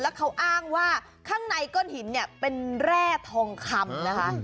เขาอ้างว่าข้างในก้อนหินเนี่ยเป็นแร่ทองคำนะคะ